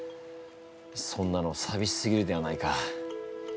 そんなのさびしすぎるではないか。